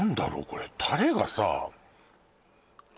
これタレがさ